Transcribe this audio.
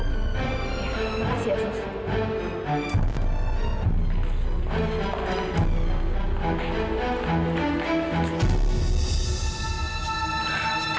ya makasih ya sus